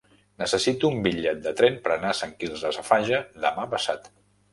Necessito un bitllet de tren per anar a Sant Quirze Safaja demà passat.